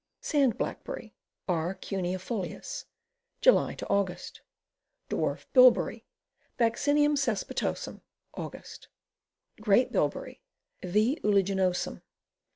Sand Blackberry. R. Cuneijolius. Jidy Aug. Dwarf Bilberry. Vaccinium caespitosum. Aug. Great Bilberry. V. uliginosum.